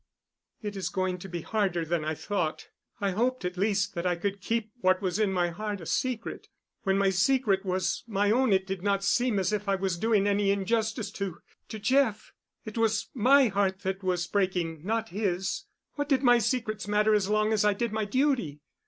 "It is going to be harder than I thought. I hoped at least that I could keep what was in my heart a secret. When my secret was my own it did not seem as if I was doing any injustice to—to Jeff. It was my heart that was breaking—not his. What did my secrets matter as long as I did my duty?